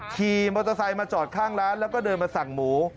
ขี่มอเตอร์ไซค์มาจอดข้างร้านแล้วก็เดินมาสั่งหมู